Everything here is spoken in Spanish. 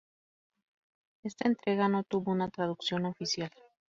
Esta entrega no tuvo una traducción oficial.